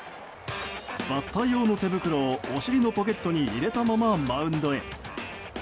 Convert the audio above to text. バッター用の手袋をお尻のポケットに入れたままマウンドへ。